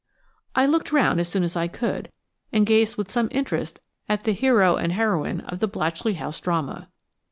I looked round as soon as I could, and gazed with some interest at the hero and heroine of the Blatchley House drama.